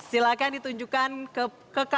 silakan ditunjukkan ke karakter